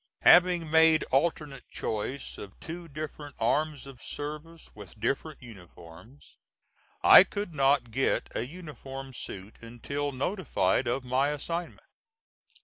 Having made alternate choice of two different arms of service with different uniforms, I could not get a uniform suit until notified of my assignment.